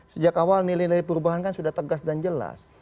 sejak awal nilai nilai perubahan kan sudah tegas dan jelas